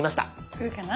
来るかな？